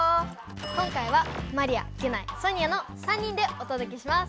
今回はマリアギュナイソニアの３人でおとどけします。